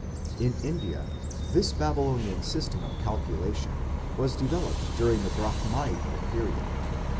In India this Babylonian system of calculation was developed during the Brahmanical period.